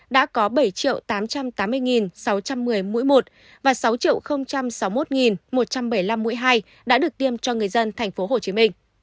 đã có bảy tám trăm tám mươi sáu trăm một mươi mũi một và sáu sáu mươi một một trăm bảy mươi năm mũi hai đã được tiêm cho người dân tp hcm